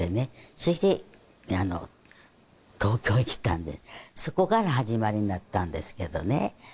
そしてあの東京へ来たんでそこから始まりになったんですけどね